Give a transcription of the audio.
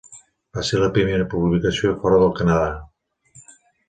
Va ser la primera publicació fora del Canadà.